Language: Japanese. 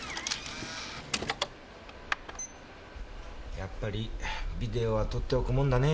やっぱりビデオは撮っておくもんだね。